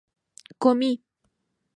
comí